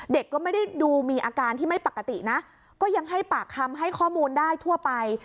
เด็กก็ไม่ได้ดูมีอาการที่ไม่ปกตินะก็ยังให้ปากคำให้ข้อมูลได้ทั่วไป